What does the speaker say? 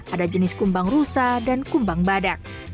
ada jenis kumbang rusa dan kumbang badak